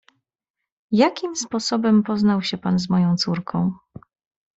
"Jakim sposobem poznał się pan z moją córką?"